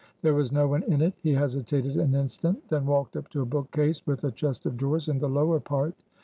There was no one in it. He hesitated an instant; then walked up to a book case, with a chest of drawers in the lower part.